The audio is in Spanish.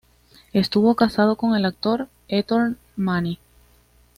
Estuvo casada con el actor Ettore Manni.